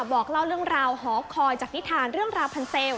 บอกเล่าเรื่องราวหอคอยจากนิทานเรื่องราวพันเซลล